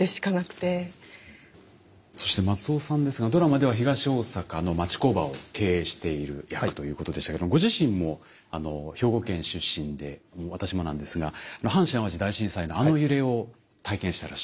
そして松尾さんですがドラマでは東大阪の町工場を経営している役ということでしたけどご自身も兵庫県出身で私もなんですが阪神・淡路大震災のあの揺れを体験してらっしゃる。